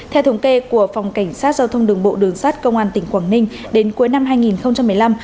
theo thống kê của phòng cảnh sát giao thông đường bộ đường sát công an tỉnh quảng ninh đến cuối năm hai nghìn một mươi năm